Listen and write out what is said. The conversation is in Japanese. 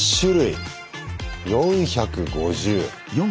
４５０。